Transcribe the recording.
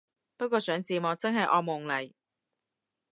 不過上字幕真係惡夢嚟